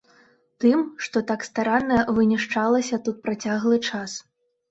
Тым, што так старанна вынішчалася тут працяглы час.